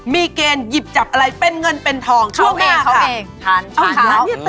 มีเกณฑ์หยิบจับอะไรเป็นเงินเป็นทองช่วงหน้าเขาเอง